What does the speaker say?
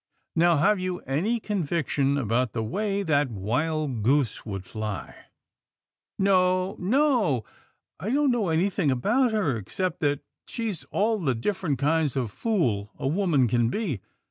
Now have you any conviction about the way that wild goose would fly? "" No, no, I don't know anything about her, except that she's all the different kinds of fool a woman can be.